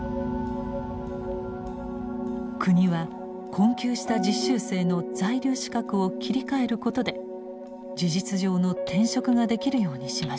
国は困窮した実習生の在留資格を切り替えることで事実上の転職ができるようにしました。